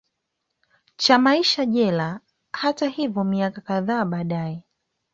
cha maisha jela Hata hivyo miaka kadhaa baadae